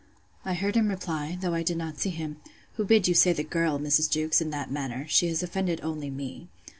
I heard him reply, though I did not see him, Who bid you say, the girl, Mrs. Jewkes, in that manner? She has offended only me.